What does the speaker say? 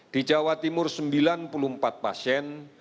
di jawa timur sembilan puluh empat pasien